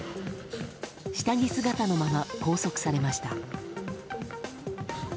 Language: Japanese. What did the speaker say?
下着姿のまま拘束されました。